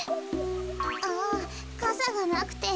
あぁかさがなくて。